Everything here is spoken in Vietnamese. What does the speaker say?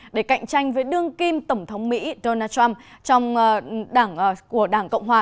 để cạnh tranh với đương kim tổng thống mỹ donald trump của đảng cộng hòa